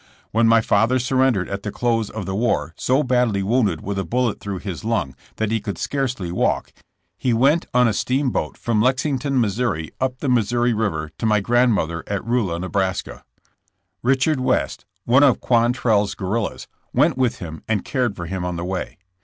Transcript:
When my father surrendered at the close of the war so badly wounded with a bullet through his lung that he could scarcely walk, he went on a steamboat from Lexington, Mo., up the Missouri river to my grandmother at Rulla, Neb. Richard West, one of Quantrell's guerrillas went with him and cared for him on the way.